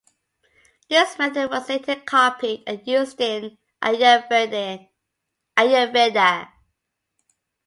This method was later copied and used in Ayurveda.